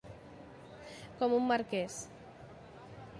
Com un marquès.